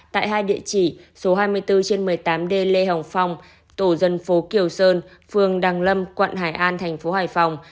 tại hai địa chỉ số hai mươi bốn trên một mươi tám d lê hồng phong tổ dân phố kiều sơn phường đàng lâm quận hải an thành phố hải phòng